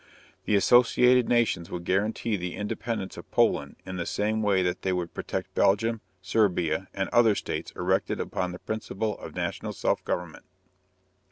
The associated nations would guarantee the independence of Poland in the same way that they would protect Belgium, Serbia, and the other states erected upon the principle of national self government.